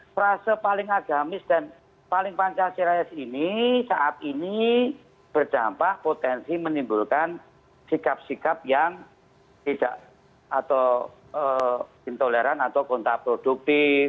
frase paling agamis dan paling pancasilais ini saat ini berdampak potensi menimbulkan sikap sikap yang tidak atau intoleran atau kontraproduktif